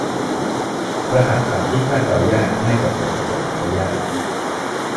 รหัสผ่านที่คาดเดายากไม่จำเป็นที่จะจำได้ยาก